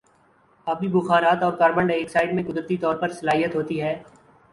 آبی بخارات اور کاربن ڈائی آکسائیڈ میں قدرتی طور پر صلاحیت ہوتی ہے